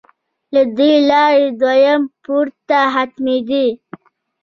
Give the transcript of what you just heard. له دې لارې دویم پوړ ته ختمېدې.